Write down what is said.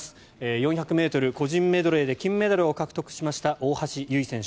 ４００ｍ個人メドレーで金メダルを獲得した大橋悠依選手。